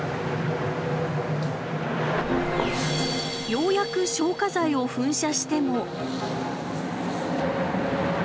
ようやく消火剤を噴射しても。